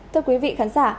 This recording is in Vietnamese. thưa quý vị khán giả